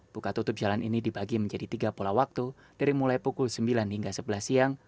buka tutup jalan ini dibagi menjadi tiga pola waktu dari mulai pukul sembilan hingga sebelas siang